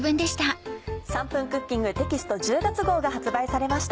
『３分クッキング』テキスト１０月号が発売されました。